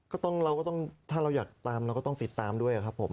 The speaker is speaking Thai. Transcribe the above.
ก็ต้องเราก็ต้องถ้าเราอยากตามเราก็ต้องติดตามด้วยครับผม